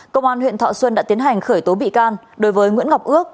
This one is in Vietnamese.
công an huyện thọ xuân đã tiến hành khởi tố bị can đối với nguyễn ngọc ước